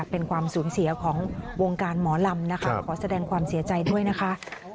เป็นความสูญเสียของวงการหมอลำนะคะขอแสดงความเสียใจด้วยนะคะ